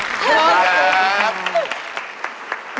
ครับ